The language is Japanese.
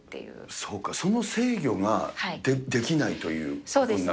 そうか、その制御ができないというふうになるんですか。